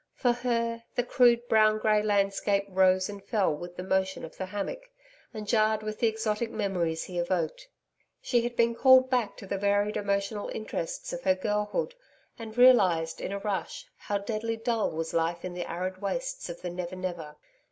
For her, the crude brown grey landscape rose and fell with the motion of the hammock, and jarred with the exotic memories he evoked. She had been called back to the varied emotional interests of her girlhood, and realised, in a rush, how deadly dull was life in the arid wastes of the Never Never.